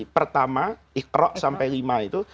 pertama ikhroq sampai lima itu